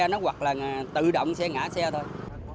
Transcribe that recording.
nó hoặc là tự động sẽ ngã xe thôi